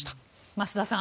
増田さん